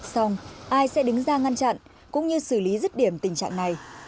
xong ai sẽ đứng ra ngăn chặn cũng như xử lý rứt điểm tình trạng này